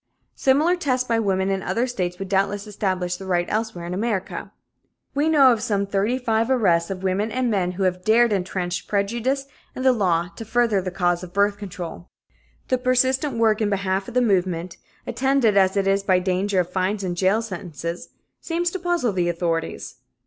Similar tests by women in other states would doubtless establish the right elsewhere in America. We know of some thirty five arrests of women and men who have dared entrenched prejudice and the law to further the cause of birth control. The persistent work in behalf of the movement, attended as it was by danger of fines and jail sentences, seemed to puzzle the authorities.